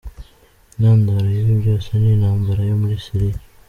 Intandaro y’ibi byose ni intambara yo muri Syria.